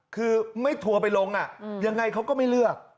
คือไม่ทัวร์ไปลงยังไงเขาก็ไม่เลือก